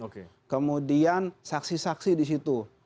kemudian saksi saksi disitu